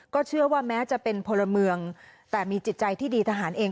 เชื่อว่าแม้จะเป็นพลเมืองแต่มีจิตใจที่ดีทหารเอง